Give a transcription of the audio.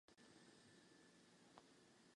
Kde jsou mezinárodní pravidla?